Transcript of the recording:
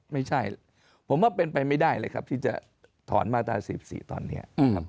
ไม่ใช่ผมว่าเป็นไปไม่ได้เลยครับที่จะถอนมาตรา๔๔ตอนนี้นะครับ